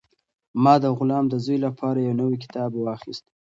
ما د غلام د زوی لپاره یو نوی کتاب واخیست.